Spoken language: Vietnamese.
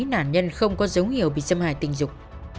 nạn nhân không có dấu hiệu bị xâm hại tình dục